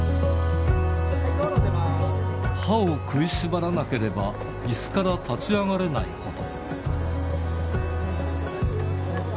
歯を食いしばらなければ、いすから立ち上がれないほど。